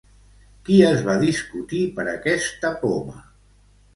Qui es va discutir per aquesta poma?